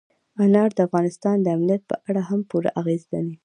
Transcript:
انار د افغانستان د امنیت په اړه هم پوره اغېز لري.